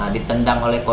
ditendang oleh korban